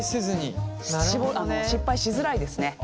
失敗しづらいですね。